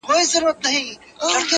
اوس خو رڼاگاني كيسې نه كوي.